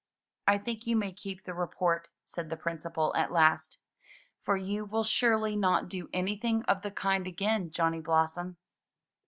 '*I think you may keep the report," said the Principal at last. "For you will surely not do anything of the kind again, Johnny Blossom."